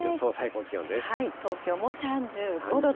東京も３５度と。